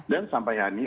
dan sampai hari ini